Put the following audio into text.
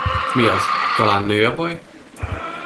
Mi az, talán nő a baj?